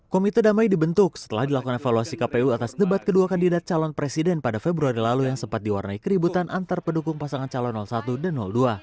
komite damai dibentuk setelah dilakukan evaluasi kpu atas debat kedua kandidat calon presiden pada februari lalu yang sempat diwarnai keributan antar pendukung pasangan calon satu dan dua